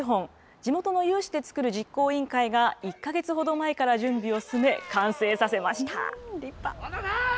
地元の有志で作る実行委員会が１か月ほど前から準備を進め、完成立派。